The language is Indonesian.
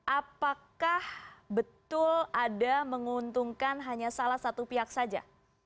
apakah betul ada menguntungkan hanya salah satu pihak saja